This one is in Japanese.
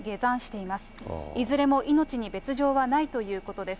いずれも命に別状はないということです。